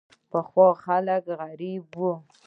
پخوا خلک غریب وو.